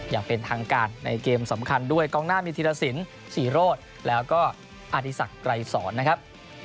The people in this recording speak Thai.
อย่างเป็นทางการในเกมสำคัญด้วยกองหน้ามีธีรสินศรีโรธแล้วก็อดีศักดิ์ไกรสอนนะครับ